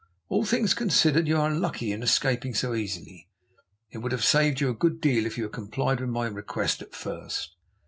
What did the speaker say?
All things considered, you are lucky in escaping so easily. It would have saved you a good deal if you had complied with my request at first.